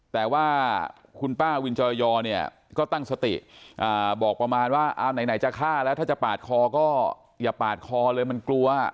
แต่ว่าคุณป้าวินจอยอเนี่ยก็ตั้งสติบอกประมาณว่าเอาไหนจะฆ่าแล้วถ้าจะปาดคอก็อย่าปาดคอเลยมันกลัว